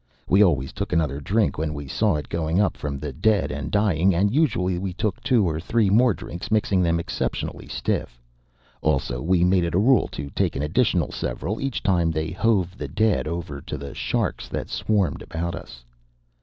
We always took another drink when we saw it going up from the dead and dying, and usually we took two or three more drinks, mixing them exceptionally stiff. Also, we made it a rule to take an additional several each time they hove the dead over to the sharks that swarmed about us.